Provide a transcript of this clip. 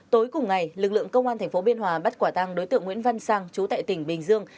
tối cùng ngày lực lượng công an thành phố biên hòa bắt quả tăng đối tượng nguyễn văn săng chú tại tỉnh bình dương